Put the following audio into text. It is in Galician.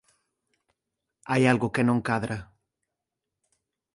Hai algo que non cadra.